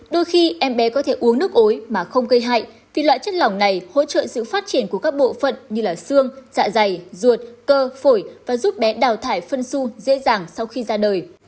đôi khi em bé có thể uống nước ối mà không gây hại thì loại chất lỏng này hỗ trợ sự phát triển của các bộ phận như xương dạ dày ruột cơ phổi và giúp bé đào thải phân xu dễ dàng sau khi ra đời